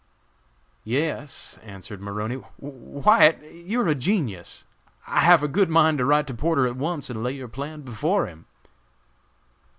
"Yes," answered Maroney. "White, you're a genius! I have a good mind to write to Porter at once and lay your plan before him."